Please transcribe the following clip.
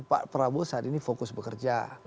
pak prabowo saat ini fokus bekerja